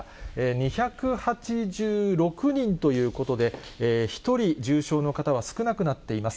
２８６人ということで、１人重症の方は少なくなっています。